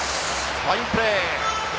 ファインプレー。